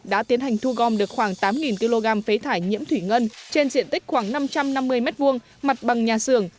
đã tiến hành thu gom được khoảng tám kg phế thải nhiễm thủy ngân trên diện tích khoảng năm trăm năm mươi m hai mặt bằng nhà xưởng